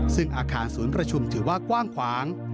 ซึ่งอาคารศูนย์ประชุมถือว่ากว้างขวาง